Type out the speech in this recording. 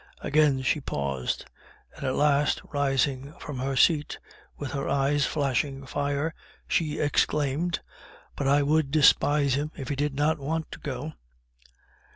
Again she paused; and at last rising from her seat, with her eyes flashing fire, she exclaimed "BUT I WOULD DESPISE HIM, IF HE DID NOT WANT TO GO!"